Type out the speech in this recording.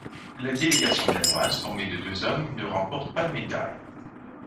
La délégation danoise, formée de deux hommes, ne remporte pas de médaille.